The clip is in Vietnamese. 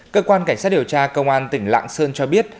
cơ quan cảnh sát điều tra công an tỉnh lạng sơn cho biết